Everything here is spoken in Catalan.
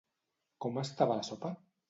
Com estava la sopa?